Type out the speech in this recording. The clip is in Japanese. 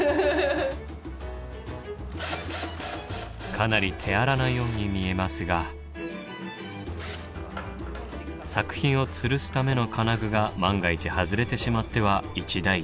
かなり手荒なように見えますが作品をつるすための金具が万が一外れてしまっては一大事。